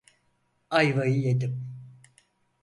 Ayvayı yedim.